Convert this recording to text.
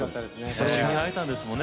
久しぶりに会えたんですもんね